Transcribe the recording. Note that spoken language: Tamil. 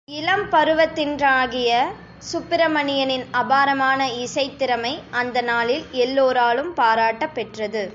இளம்பருவத்தின்றாகிய சுப்பிரமணியனின் அபாரமான இசைத் திறமை அந்த நாளில் எல்லோராலும் பாராட்டப் பெற்றது.